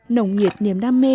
nồng nhiệt niềm đam mê